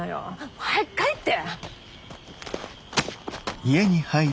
もう早く帰って！